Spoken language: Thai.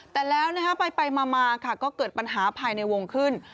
แต่แล้วไปมาก็เกิดปัญหาภายในวงขึ้น